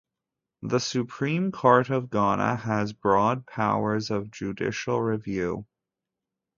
The Supreme Court of Ghana has broad powers of judicial review.